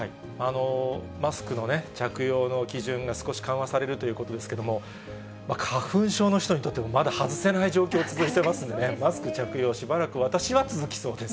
マスクの着用の基準が少し緩和されるということですけれども、花粉症の人にとっては、まだ外せない状況続いてますので、マスク着用、しばらく、私は続きそうです。